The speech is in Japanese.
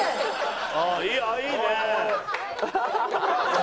ああいいね！